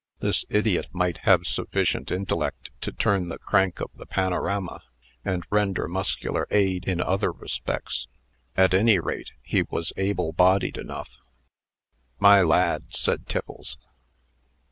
This idiot might have sufficient intellect to turn the crank of the panorama, and render muscular aid in other respects. At any rate, he was able bodied enough. "My lad," said Tiffles.